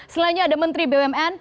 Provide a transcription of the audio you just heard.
selainnya ada menteri bumn